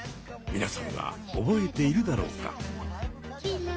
みなさんは覚えているだろうか？